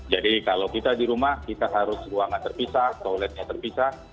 jadi kalau kita di rumah kita harus ruangan terpisah toiletnya terpisah